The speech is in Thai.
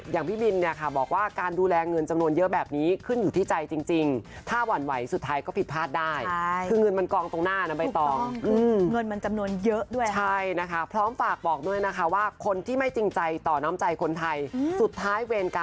อย่างพี่บินเนี่ยค่ะบอกว่าการดูแลเงินจำนวนเยอะแบบนี้ขึ้นอยู่ที่ใจจริง